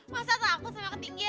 masa takut sama ketinggian